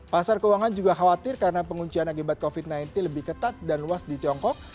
pasar keuangan juga khawatir karena penguncian akibat covid sembilan belas lebih ketat dan luas di tiongkok